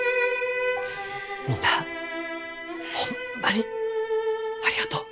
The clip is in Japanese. みんなホンマにありがとう。